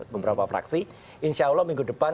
beberapa fraksi insya allah minggu depan